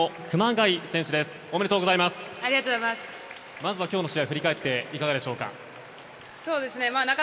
まずは今日の試合を振り返っていかがでしょうか。